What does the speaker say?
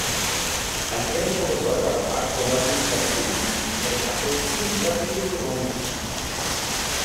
Al tiempo comenzó a trabajar como administrativo en la oficina de patentes de Londres.